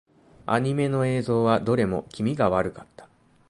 アニメの映像はどれも気味が悪かった。